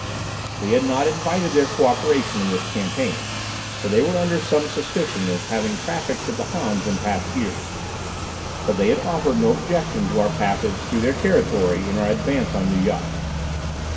We had not invited their cooperation in this campaign, for they were under some suspicion of having trafficked with the Hans in past years, but they had offered no objection to our passage through their territory in our advance on Nu Yok.